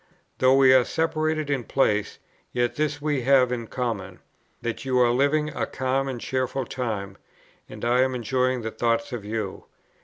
Though we are separated in place, yet this we have in common, that you are living a calm and cheerful time, and I am enjoying the thought of you.